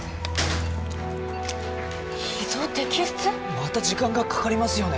また時間がかかりますよね。